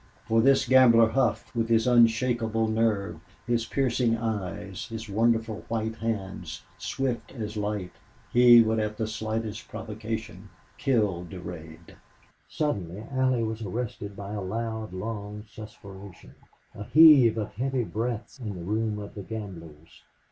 For this gambler, Hough, with his unshakable nerve, his piercing eyes, his wonderful white hands, swift as light he would at the slightest provocation kill Durade. Suddenly Allie was arrested by a loud, long suspiration a heave of heavy breaths in the room of the gamblers.